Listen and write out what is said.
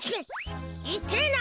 いてえな！